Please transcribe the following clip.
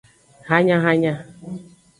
Hanyahanya.